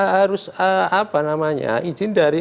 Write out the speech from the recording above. harus izin dari